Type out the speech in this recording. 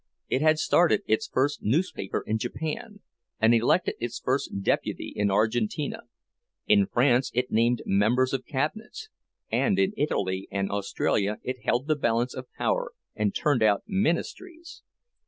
It had started its first newspaper in Japan, and elected its first deputy in Argentina; in France it named members of cabinets, and in Italy and Australia it held the balance of power and turned out ministries.